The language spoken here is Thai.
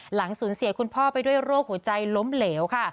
หลังสูญเสียคุณพ่อไปด้วยโรคหัวใจล้มเหลวค่ะ